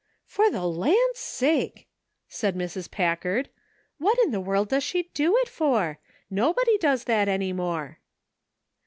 " For the land's sake !" said Mrs. Packard, "what in the world does she do it for? Nobody does that any more."